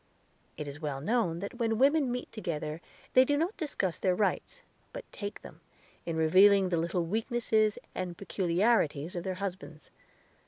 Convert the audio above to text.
It is well known that when women meet together they do not discuss their rights, but take them, in revealing the little weaknesses and peculiarities of their husbands.